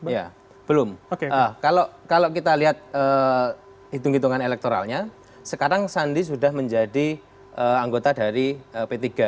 ya belum kalau kita lihat hitung hitungan elektoralnya sekarang sandi sudah menjadi anggota dari p tiga